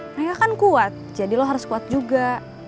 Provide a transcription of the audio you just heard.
mereka kan kuat jadi lo harus kuat juga